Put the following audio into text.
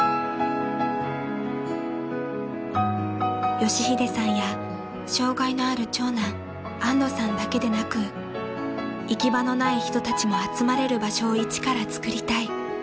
［佳秀さんや障害のある長男安土さんだけでなく行き場のない人たちも集まれる場所を一からつくりたい］